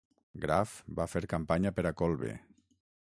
Graf va fer campanya per a Kolbe.